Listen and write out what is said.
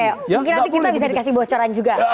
mungkin nanti kita bisa dikasih bocoran juga